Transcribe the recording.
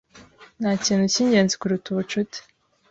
Ntakintu cyingenzi kuruta ubucuti.